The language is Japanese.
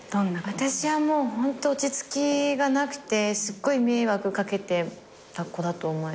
私はホント落ち着きがなくてすっごい迷惑掛けてた子だと思います。